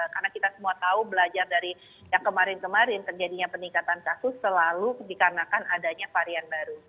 karena kita semua tahu belajar dari yang kemarin kemarin terjadinya peningkatan kasus selalu dikarenakan adanya varian baru